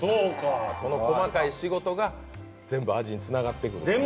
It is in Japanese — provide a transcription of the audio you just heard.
この細かい仕事が全部味につながっていく。